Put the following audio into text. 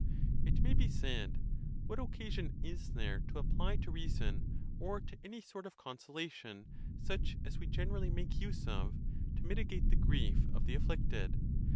It may be said, What occasion is there to apply to reason, or to any sort of consolation such as we gen erally make use of, to mitigate the grief of the afflicted